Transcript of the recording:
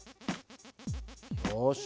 よし。